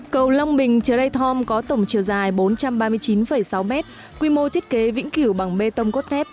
cầu long bình chere tom có tổng chiều dài bốn trăm ba mươi chín sáu mét quy mô thiết kế vĩnh cửu bằng bê tông cốt thép